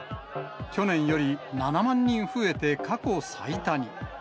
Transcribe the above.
去年より７万人増えて、過去最多に。